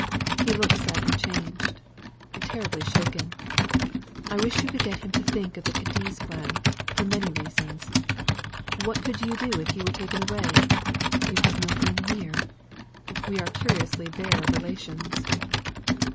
He looks sadly changed terribly shaken. I wish you could get him to think of the Cadiz plan, for many reasons. What could you do if he were taken away? You have no friend near. We are curiously bare of relations."